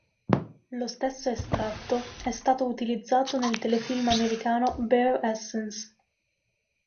Lo stesso estratto è stato utilizzato nel telefilm americano "Bare Essence".